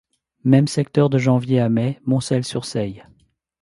Même secteur de janvier à mai...Moncel-sur-Seille.